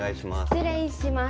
失礼します